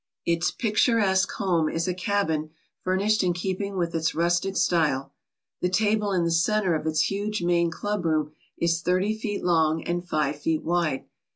Its picturesque home is a cabin furnished in keeping with its rustic style. The table in the centre of its huge main clubroom is thirty feet long and five feet wide.